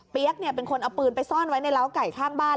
เป็นคนเอาปืนไปซ่อนไว้ในร้าวไก่ข้างบ้าน